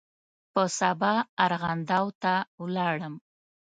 په سبا ارغنداو ته ولاړم.